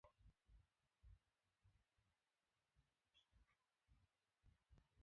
Kutokwa machozi kwa wanyama ni dalili ya ugonjwa wa homa ya mapafu